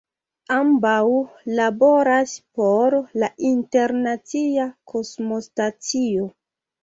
Ambaŭ laboras por la Internacia Kosmostacio.